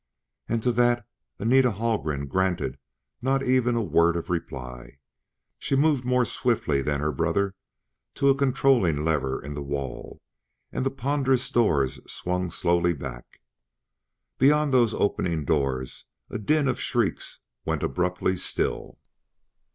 And, to that, Anita Haldgren granted not even a word of reply. She moved more swiftly than her brother to a controlling lever in the wall ... and the ponderous doors swung slowly back. Beyond those opening doors a din of shrieks went abruptly still.